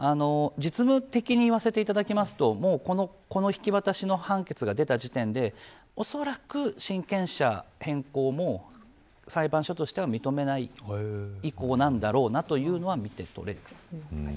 また実務的に言わせていただくとこの引き渡しの判決が出た時点でおそらく親権者変更も裁判所としては認めない意向なんだろうなというのが見て取れる。